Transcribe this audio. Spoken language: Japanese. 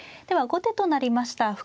では後手となりました